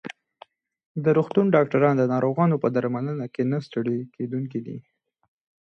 د روغتون ډاکټران د ناروغانو په درملنه کې نه ستړي کېدونکي دي.